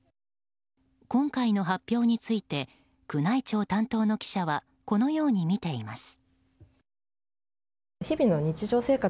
今回の発表について宮内庁担当の記者はこのように見ています。